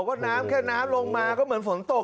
ก็น้ำแค่น้ำลงมาก็เหมือนฝนตก